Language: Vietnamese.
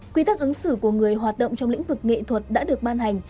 quy tắc ứng xử của người hoạt động trong lĩnh vực nghệ thuật đã được ban hành